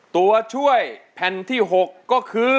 ตัวช่วยแผ่นที่๖ก็คือ